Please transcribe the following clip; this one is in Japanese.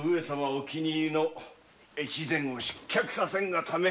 お気に入りの越前を失脚させんがため。